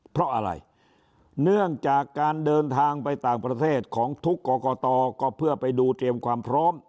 เพราะอะไรเนื่องจากการเดินทางไปต่างประเทศของทุกกรกตก็เพื่อไปดูเตรียมความพร้อม